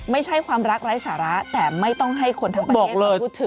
ไม่ใช่ความรักไร้สาระแต่ไม่ต้องให้คนทั้งประเทศพูดถึง